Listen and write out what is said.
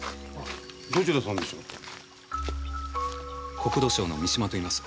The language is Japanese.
国土省の三島といいます。